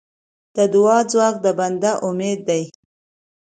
د دعا ځواک د بنده امید دی.